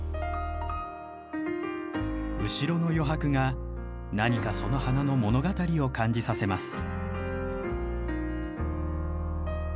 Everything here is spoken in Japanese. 後ろの余白が何かその花の物語を感じさせます。